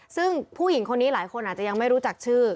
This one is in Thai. ซึ่งผู้หญิงคนนี้หลายคนอาจจะยังไม่รู้จักชื่อ